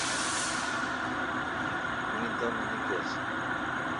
می دم نکیس۔